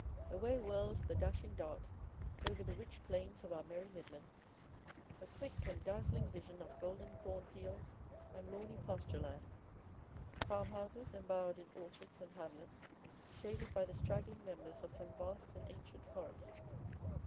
Away whirled the dashing Dart over the rich plains of our merry midland; a quick and dazzling vision of golden corn fields and lawny pasture land; farmhouses embowered in orchards and hamlets shaded by the straggling members of some vast and ancient forest.